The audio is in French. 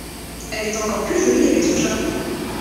Elle est encore plus jolie avec son chapeau.